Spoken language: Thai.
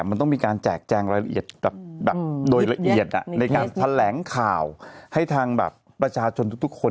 มันต้องมีการแจกแจงรายละเอียดแบบโดยละเอียดในการแถลงข่าวให้ทางแบบประชาชนทุกคน